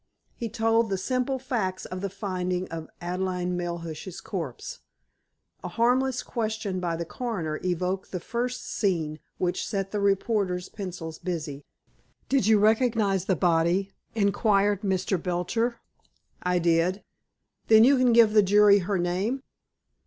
He told the simple facts of the finding of Adelaide Melhuish's corpse. A harmless question by the coroner evoked the first "scene" which set the reporters' pencils busy. "Did you recognize the body!" inquired Mr. Belcher. "I did." "Then you can give the jury her name?"